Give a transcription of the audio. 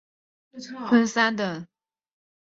淡马锡勋章分三等。